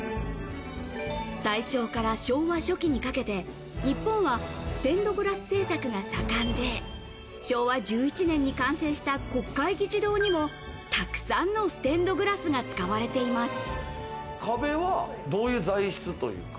大正から昭和初期にかけて日本はステンドグラス制作が盛んで、昭和１１年に完成した国会議事堂にも、たくさんのステンドグラスが使われています。